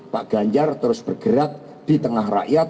pak ganjar terus bergerak di tengah rakyat